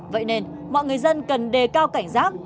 vậy nên mọi người dân cần đề cao cảnh giác